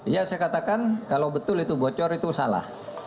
ya saya katakan kalau betul itu bocor itu salah